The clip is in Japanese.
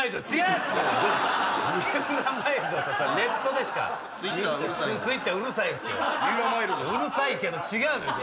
うるさいけど違うのよ。